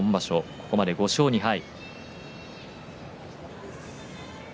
ここまで５勝２敗。